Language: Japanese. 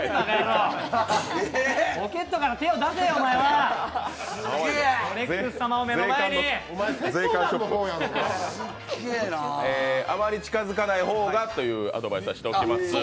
ポケットから手を出せお前は！あまり近づかない方がというアドバイスはしておきます。